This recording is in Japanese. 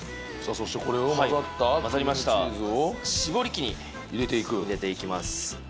そしてこれを混ざったクリームチーズを絞り器に入れていきます